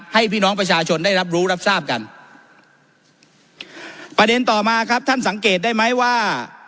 พี่น้องประชาชนได้รับรู้รับทราบกันประเด็นต่อมาครับท่านสังเกตได้ไหมว่า